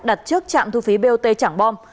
đặt trước trạm thu phí bot trảng bom